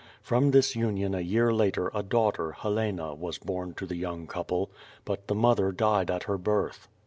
From this imion a year later a daughter, Helena, was born to the young couple, but the mother died at her birth.